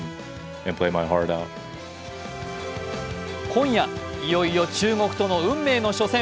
今夜いよいよ中国との運命の初戦。